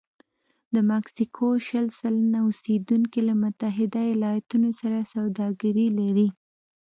د مکسیکو شل سلنه اوسېدونکي له متحده ایالتونو سره سوداګري لري.